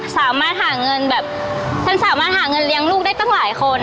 สามารถหาเงินแบบฉันสามารถหาเงินเลี้ยงลูกได้ตั้งหลายคน